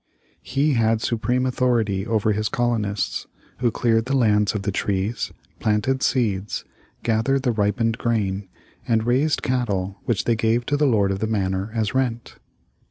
He had supreme authority over his colonists, who cleared the land of the trees, planted seeds, gathered the ripened grain, and raised cattle which they gave to the Lord of the Manor as rent.